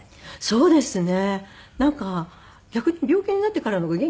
そうですか。